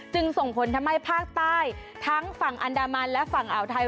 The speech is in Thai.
ส่งผลทำให้ภาคใต้ทั้งฝั่งอันดามันและฝั่งอ่าวไทย